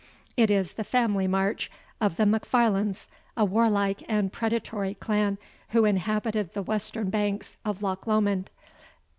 [It is the family march of the M'Farlanes, a warlike and predatory clan, who inhabited the western banks of Loch Lomond.